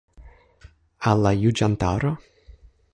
Al la juĝantaro?